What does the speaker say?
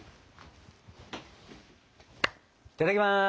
いただきます！